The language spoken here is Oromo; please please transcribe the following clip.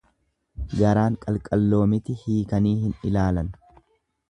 Garaan qalqalloo miti hiikanii hin ilaalan.